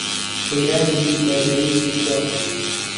قەیرانێکی دارایی دژوار